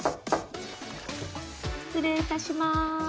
失礼いたします。